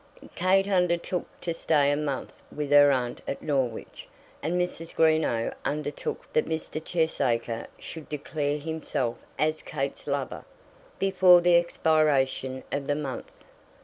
Kate undertook to stay a month with her aunt at Norwich, and Mrs. Greenow undertook that Mr. Cheesacre should declare himself as Kate's lover, before the expiration of the month.